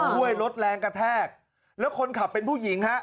ด้วยรถแรงกระแทกแล้วคนขับเป็นผู้หญิงฮะ